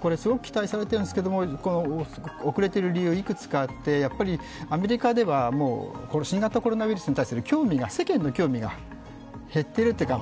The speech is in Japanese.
これすごく期待されているんですけど、遅れている理由は幾つかあって、アメリカではもう新型コロナウイルスに対する世間の興味が減ってるというか。